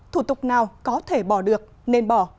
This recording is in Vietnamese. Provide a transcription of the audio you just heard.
thủ tục nào có thể bỏ được nên bỏ